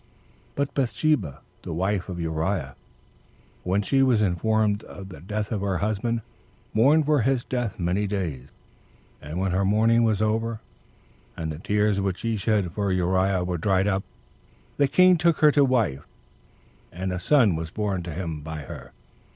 But Bathsheba, the wife of Uriah, when she was informed of the death of her husband, mourned for his death many days; and when her mourning was over, and the tears which she shed for Uriah were dried up, the king took her to wife presently; and a son was born to him by her.